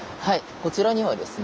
こちらにはですね